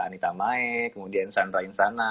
anita mae kemudian sandra insana